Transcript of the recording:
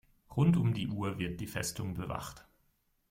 Rund um die Uhr wird die Festung bewacht.